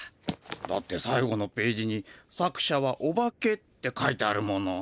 だってさい後のページに作者はオバケって書いてあるもの。